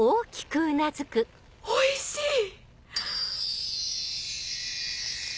おいしい！